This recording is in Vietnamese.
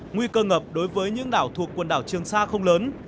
nguy cơ ngập đối với những đảo thuộc quần đảo trường sa không lớn